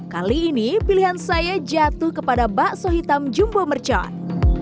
kali ini pilihan saya jatuh kepada bakso hitam jumbo mercon